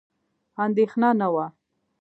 اندېښنه نه وه.